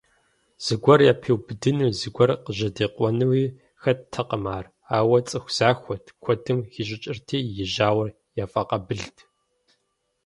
Зыгуэр япиубыдынуи, зыгуэр къыжьэдикъуэнуи хэттэкъым ар, ауэ цӀыху захуэт, куэдым хищӀыкӀырти, и жьауэр яфӀэкъабылт.